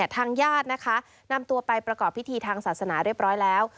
ทางญาตินะคะนำตัวไปประกอบพิธีทางศาสนาเรียบร้อยแล้ว